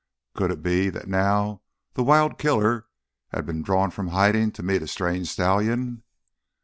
Could it be that now the wild killer had been drawn from hiding to meet a strange stallion?